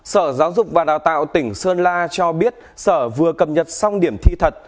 sở giáo dục và đào tạo tỉnh sơn la cho biết sở vừa cập nhật xong điểm thi thật